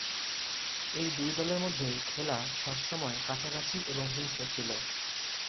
এই দুই দলের মধ্যে খেলা সব সময় কাছাকাছি এবং হিংস্র ছিল।